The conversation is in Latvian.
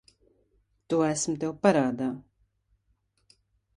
To esmu tev parādā.